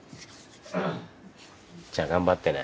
じゃあ頑張ってね。